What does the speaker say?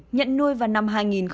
nhận nuôi vào năm hai nghìn một mươi sáu